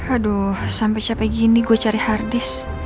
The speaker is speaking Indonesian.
aduh sampe capek gini gue cari harddisk